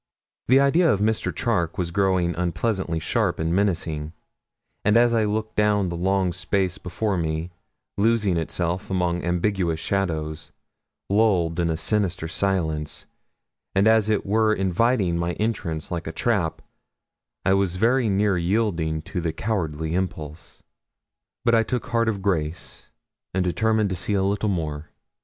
The idea of Mr. Charke was growing unpleasantly sharp and menacing; and as I looked down the long space before me, losing itself among ambiguous shadows, lulled in a sinister silence, and as it were inviting my entrance like a trap, I was very near yielding to the cowardly impulse. But I took heart of grace and determined to see a little more.